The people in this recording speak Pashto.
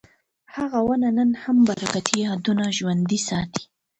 هغه ونه نن هم برکتي یادونه ژوندي ساتي.